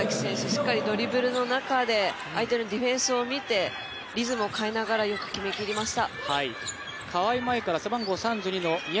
しっかりドリブルの中で相手のディフェンスを見てリズムを変えながらよく決めきりました。